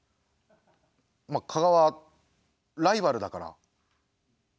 まあ加賀はライバルだから。